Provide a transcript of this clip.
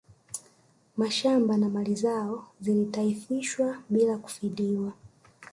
Mashamba na mali zao zilitaifishwa bila kufidiwa